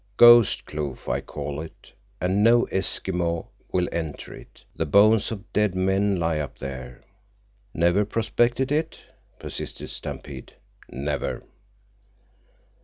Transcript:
Ghost Kloof, I call it, and no Eskimo will enter it. The bones of dead men lie up there." "Never prospected it?" persisted Stampede. "Never."